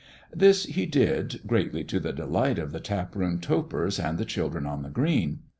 This he did, greatly to the delight of the taproom topers and the children on the green.